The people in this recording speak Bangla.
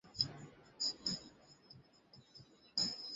লিনি, চলো, নাচা যাক!